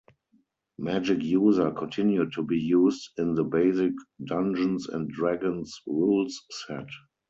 "Magic-User" continued to be used in the basic "Dungeons and Dragons" rules set.